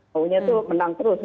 maunya itu menang terus